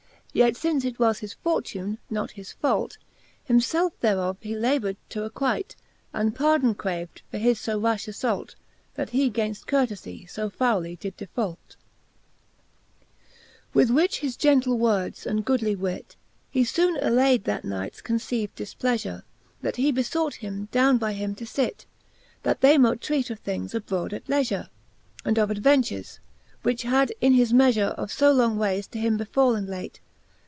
Yet fince it was his fortune, not his fault, Him ielfe thereof he labour'd to acquite. And pardon crav'd for his (o rafli default. That he gainft courtelie fo fowly did default, XXII. With which his gentle words and goodly wit He fbonc allayd that Knights conceived difpleafure, That he belbught him downe by him to fit, 'That they mote treat of things abrode at leafurej And of adventures, which had in his meafure Of fb long waies to him befallen late.